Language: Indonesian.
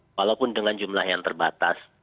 tapi kita juga harus menggunakan jumlah yang terbatas